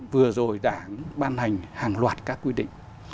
vừa rồi đảng ban hành hàng loạt các quy định